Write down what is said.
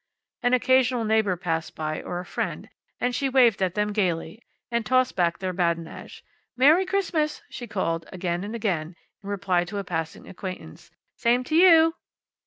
An occasional neighbor passed by, or a friend, and she waved at them, gayly, and tossed back their badinage. "Merry Christmas!" she called, again and again, in reply to a passing acquaintance. "Same to you!"